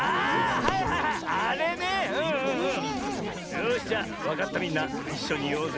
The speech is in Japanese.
よしじゃあわかったみんないっしょにいおうぜ。